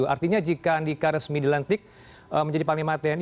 artinya jika andika resmi dilantik menjadi pak limaten